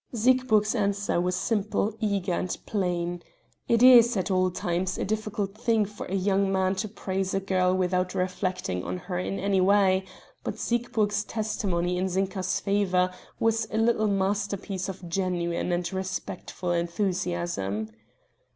Siegburg's answer was simple, eager, and plain; it is, at all times, a difficult thing for a young man to praise a girl without reflecting on her in any way, but Siegburg's testimony in Zinka's favor was a little masterpiece of genuine and respectful enthusiasm.